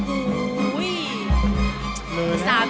โอ้โห